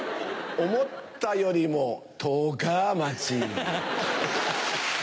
思ったよりもトオカ町。